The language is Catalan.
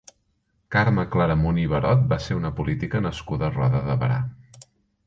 Carme Claramunt i Barot va ser una política nascuda a Roda de Berà.